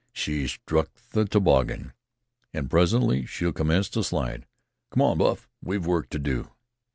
"She's struck the toboggan, an' presently she'll commence to slide. Come on, Buff, we've work to do."